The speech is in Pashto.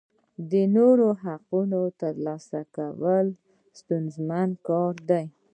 د نورو حقوقو لاسه ورکول ستونزمن کار دی.